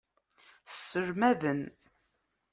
Sselmaden.